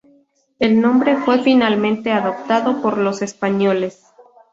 El nombre fue finalmente adoptado por los españoles.